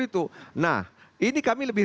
itu nah ini kami lebih